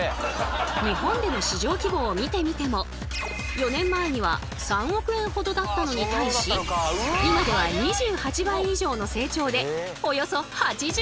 日本での市場規模を見てみても４年前には３億円ほどだったのに対し今では２８倍以上の成長でおよそ８５億円！